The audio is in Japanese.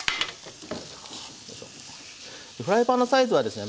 フライパンのサイズはですね